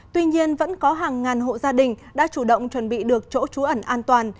tuy nhiên vẫn có hàng ngàn hộ gia đình đã chủ động chuẩn bị được chỗ trú ẩn an toàn